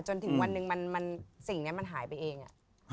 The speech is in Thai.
จนถึงวันหนึ่งสิ่งนี้มันหายไปเอง